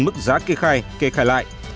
mức giá kê khai kê khai lại